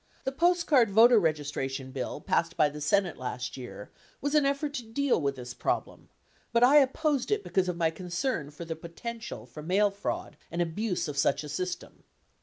The postcard voter registra tion bill passed by the Senate last year rvas an effort to deal with this problem, but I opposed it because of my concern for the potential for mail fraud and abuse of such a system.